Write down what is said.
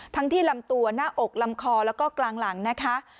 ที่ลำตัวหน้าอกลำคอแล้วก็กลางหลังนะคะ